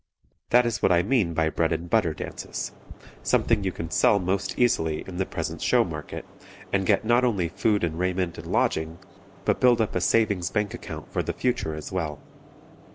That is what I mean by "bread and butter" dances; something you can sell most easily in the present show market, and get not only food and raiment and lodging, but build up a savings bank account for the future as well.